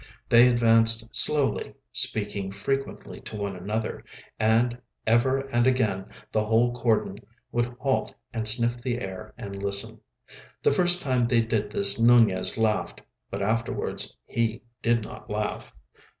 They advanced slowly, speaking frequently to one another, and ever and again the whole cordon would halt and sniff the air and listen. The first time they did this Nunez laughed. But afterwards he did not laugh.